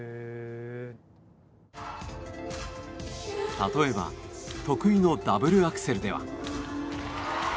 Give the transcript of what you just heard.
例えば得意のダブルアクセルでは。